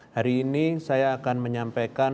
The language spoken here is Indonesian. hari ini saya akan menyampaikan